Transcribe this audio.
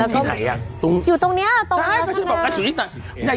ที่ไหนอ่ะอยู่ตรงนี้อ่ะตรงนั้น